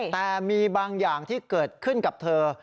แต่มีบางอย่างที่เกิดขึ้นกับเธอ